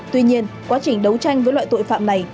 tuy nhiên quá trình đấu tranh với loại tội phạm này